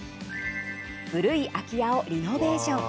古い空き家をリノベーション。